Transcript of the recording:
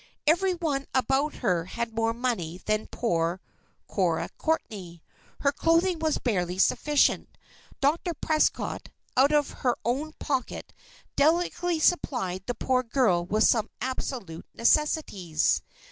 Every one about her had more money than poor Cora Courtney. Her clothing was barely sufficient. Dr. Prescott, out of her own pocket, delicately supplied the poor girl with some absolute necessities.